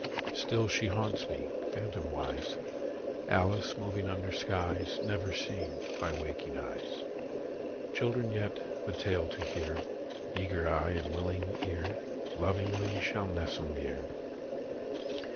Still she haunts me, phantomwise, Alice moving under skies Never seen by waking eyes. Children yet, the tale to hear, Eager eye and willing ear, Lovingly shall nestle near.